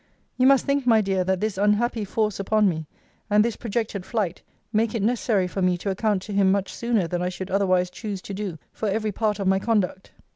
You must think, my dear, that this unhappy force upon me, and this projected flight, make it necessary for me to account to him much sooner than I should otherwise choose to do, for every part of my conduct.